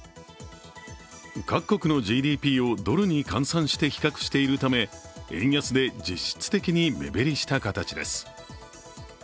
各国のＧＤＰをドルに変換して比較しているため、円安で実質的に目減りした形です。